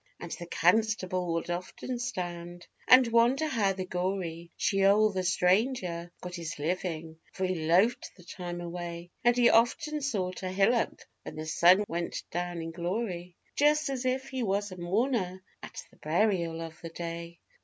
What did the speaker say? And the constable would often stand and wonder how the gory Sheol the stranger got his living, for he loafed the time away And he often sought a hillock when the sun went down in glory, Just as if he was a mourner at the burial of the day.